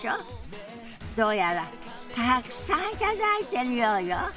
どうやらたくさん頂いてるようよ。